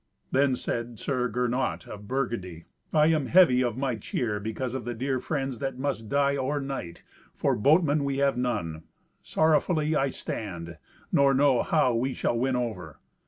Then said Sir Gernot of Burgundy, "I am heavy of my cheer because of the dear friends that must die or night, for boatmen we have none. Sorrowfully I stand, nor know how we shall win over."